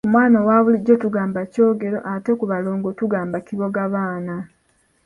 Ku mwana owa bulijjo tugamba kyogero, ate ku balongo tugamba kiboggabaana.